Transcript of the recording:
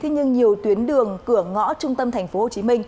nhưng nhiều tuyến đường cửa ngõ trung tâm tp hcm